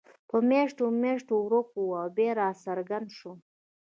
په میاشتو میاشتو ورک وو او بیا راڅرګند شو.